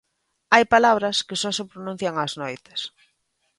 Hai palabras que só se pronuncian ás noites.